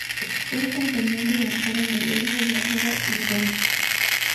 Fue compañera de Amparo Noguera y Álvaro Rudolphy.